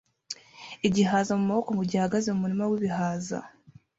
igihaza mumaboko mugihe ahagaze mumurima wibihaza